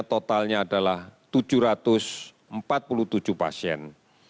totalnya adalah tujuh ratus empat puluh tujuh pasien